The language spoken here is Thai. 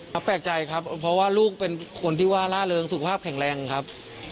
แปลกใจครับเพราะว่าลูกเป็นคนที่ว่าล่าเริงสุขภาพแข็งแรงครับ